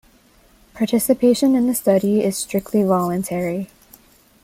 Participation in the study is strictly voluntary.